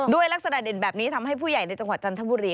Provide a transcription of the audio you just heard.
ลักษณะเด่นแบบนี้ทำให้ผู้ใหญ่ในจังหวัดจันทบุรี